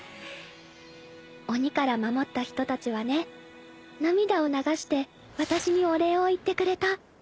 鬼から守った人たちはね涙を流して私にお礼を言ってくれた